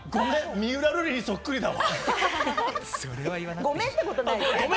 三浦瑠麗にそっくりだわ。